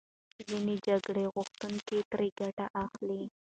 ځینې جګړه غوښتونکي ترې ګټه اخلي.